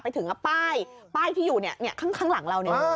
ไปถึงนะป้ายป้ายที่อยู่เนี่ยเนี่ยข้างข้างหลังเราเนี่ยอ่า